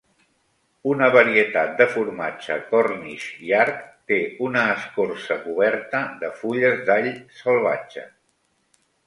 Una varietat de formatge Cornish Yarg té una escorça coberta de fulles d'all salvatge.